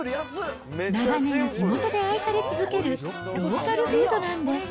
長年、地元で愛され続けるローカルフードなんです。